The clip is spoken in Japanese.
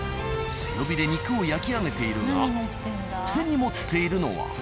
強火で肉を焼き上げているが手に持っているのは。